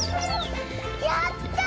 やった！